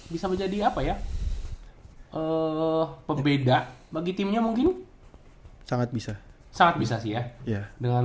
bisa menjadi apa ya pembeda bagi timnya mungkin sangat bisa sangat bisa sih ya dengan